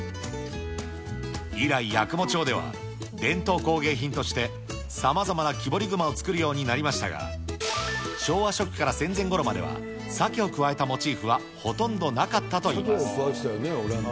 以来、八雲町では伝統工芸品として、さまざまな木彫り熊を作るようになりましたが、昭和初期から戦前ごろまでは、サケを加えたモチーフはほとんどなかったといいます。